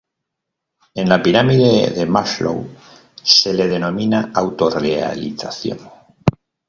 En la pirámide de Maslow se le denomina: Autorrealización.